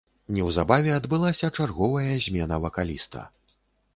Неўзабаве адбылася чарговая змена вакаліста.